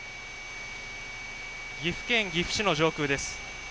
岐阜県岐阜市の上空です。